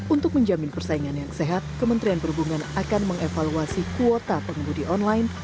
untuk menjamin persaingan yang sehat kementerian perhubungan akan mengevaluasi kuota pengemudi online